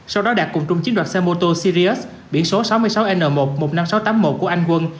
sau đó đạt cùng chung chiếm đoạt xe mô tô sirius biển số sáu mươi sáu n một một mươi năm nghìn sáu trăm tám mươi một của anh quân